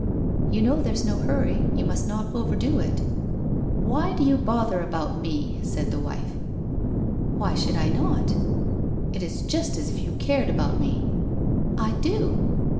1 You know there's no hurry. You must not overdo it.' ' Why do you bother about me ?' said the wife. < Why should I not ?' 1 It is just as if you cared about me.' < I do.'